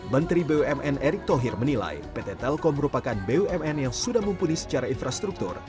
menteri bumn erick thohir menilai pt telkom merupakan bumn yang sudah mumpuni secara infrastruktur